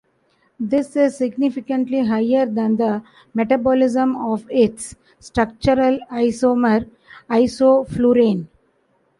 This is significantly higher than the metabolism of its structural isomer isoflurane.